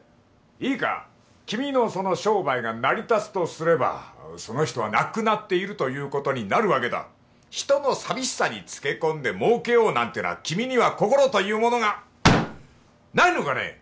いいか君のその商売が成り立つとすればその人は亡くなっているということになるわけだ人の寂しさにつけ込んで儲けようなんてのは君には心というものがないのかね！